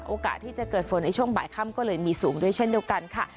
โอกาสที่จะเกิดฝนในช่วงบ่ายค่ำก็เลยมีสูงด้วยเช่นเดียวกันค่ะ